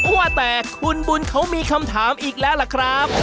ว่าแต่คุณบุญเขามีคำถามอีกแล้วล่ะครับ